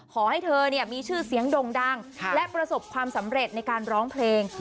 ขอให้เธอมีชื่อเสียงด่งดังและประสบความสำเร็จในการร้องเพลง